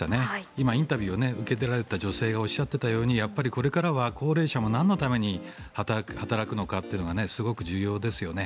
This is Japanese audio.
今、インタビューを受けられた女性がおっしゃっていたようにこれからは高齢者もなんのために働くのかというのがすごく重要ですよね。